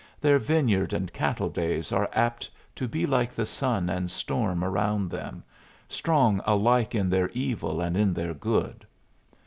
Their vineyard and cattle days are apt to be like the sun and storm around them strong alike in their evil and in their good.